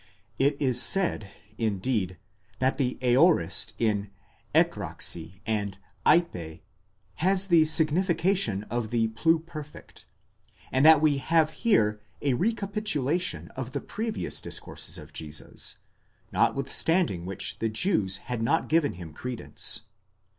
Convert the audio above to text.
It is said, indeed, that the aorist in ἔκραξε and εἶπε has the signification of the pluperfect, and that we have here a recapitulation of the previous discourses of Jesus, not withstanding which the Jews had not given him credence.